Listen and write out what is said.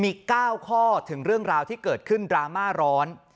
มี๙ข้อถึงเรื่องราวที่เกิดขึ้นดราม่าร้อน